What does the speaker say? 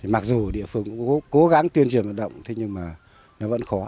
mặc dù địa phương cũng cố gắng tuyên truyền vận động nhưng nó vẫn khó